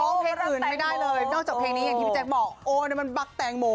เพลงอื่นไม่ได้เลยนอกจากเพลงนี้อย่างที่พี่แจ๊คบอกโอ้นี่มันบั๊กแตงโม